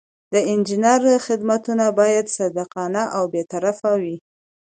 د انجینر خدمتونه باید صادقانه او بې طرفه وي.